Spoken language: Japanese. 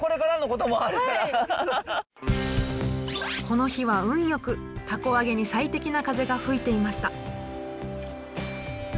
この日は運よく凧あげに最適な風が吹いていました。